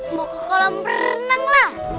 mau ke kolam renang lah